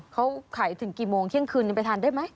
เขาขายถึงกี่โมงเที่ยงคืนยังไปทานได้ไหม